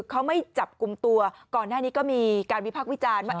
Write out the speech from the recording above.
เขาไม่จับกลุ่มตัวก่อนหน้านี้ก็มีการวิพักษ์วิจารณ์ว่า